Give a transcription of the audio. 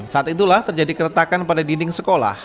saat itulah terjadi keretakan pada dinding sekolah